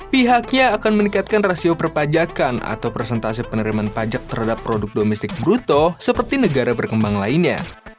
pihaknya akan meningkatkan rasio perpajakan atau presentasi penerimaan pajak terhadap produk domestik bruto seperti negara berkembang lainnya